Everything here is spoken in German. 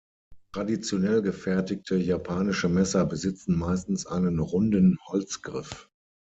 Traditionell gefertigte japanische Messer besitzen meistens einen runden Holzgriff.